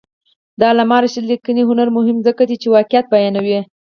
د علامه رشاد لیکنی هنر مهم دی ځکه چې واقعیت بیانوي.